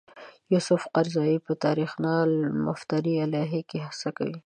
یوسف قرضاوي په تاریخنا المفتری علیه کې هڅه کوي.